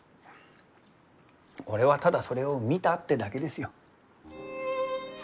俺はただそれを見たってだけですよ。